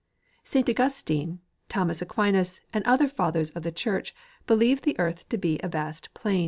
St Augustine, Thomas Aquinas and other fathers of the church believed the earth to be a vast plain.